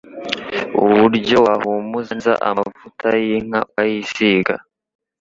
Uburyo wahumuza neza amavuta y'inka ukayisiga